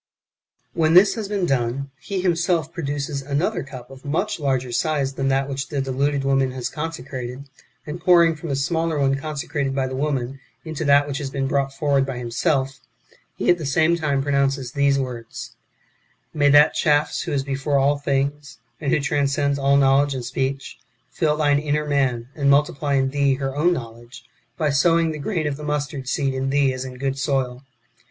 Yfhen this has been done, he himself produces another cup of much larger size than that which the deluded w^oman has consecrated, and pouring from the smaller one consecrated by the woman into that which has been brought forward by himself, he at the same time pronounces these words :" May that Charis who is before all things, and who transcends all knowledge and speech, fill thine inner man, and multiply in thee her own knowledge, by sowing the grain of mustard seed in thee as in good soil."